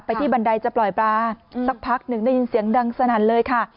ที่บันไดจะปล่อยปลาสักพักหนึ่งได้ยินเสียงดังสนั่นเลยค่ะ